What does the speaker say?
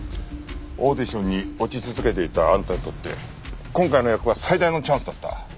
オーディションに落ち続けていたあんたにとって今回の役は最大のチャンスだった。